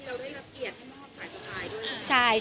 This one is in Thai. เป็นบทที่เราได้รับเกียรติให้มอบสายสะพายด้วยนะ